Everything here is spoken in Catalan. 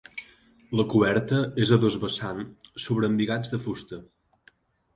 La coberta és a dos vessant sobre embigats de fusta.